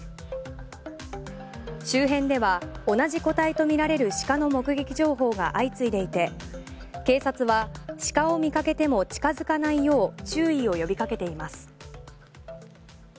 周辺では同じ個体とみられる鹿の目撃情報が相次いでいて警察は鹿を見かけても近付かないよう注意を呼びかけています。